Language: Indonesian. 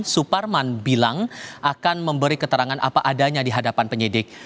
suparman bilang akan memberi keterangan apa adanya di hadapan penyidik